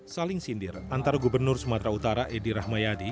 saling sindir antara gubernur sumatera utara edi rahmayadi